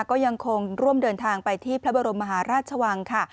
ก็ยังคงร่วมเดินทางไปที่พระบรมมหาราชวังค่ะ